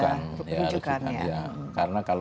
rujukan ya karena kalau